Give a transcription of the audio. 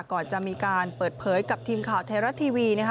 ก่อนจะมีการเปิดเผยกับทีมข่าวไทยรัฐทีวีนะคะ